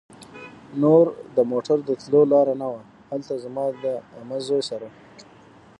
نور د موټر د تلو لار نه وه. هلته زما د عمه زوی سره